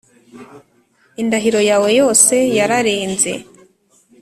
indahiro yawe yose yararenze,